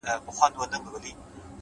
اخلاق د انسان تلپاتې شتمني ده’